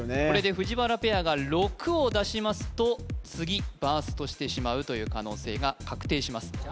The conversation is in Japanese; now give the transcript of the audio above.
これでＦＵＪＩＷＡＲＡペアが６を出しますと次バーストしてしまうという可能性が確定します